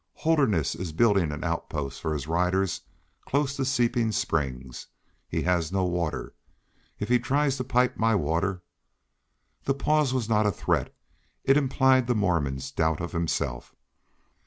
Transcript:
Holderness is building an outpost for his riders close to Seeping Springs. He has no water. If he tries to pipe my water " The pause was not a threat; it implied the Mormon's doubt of himself.